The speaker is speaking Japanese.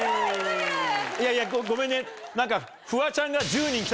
いやいやごめんね何か。